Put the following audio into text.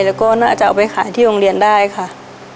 แล้วก็น่าจะเอาไปขายที่โรงเรียนได้ค่ะ